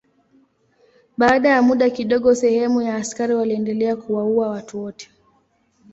Baada ya muda kidogo sehemu ya askari waliendelea kuwaua watu wote.